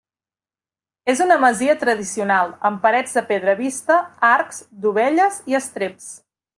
És una masia tradicional amb parets de pedra vista, arcs, dovelles i estreps.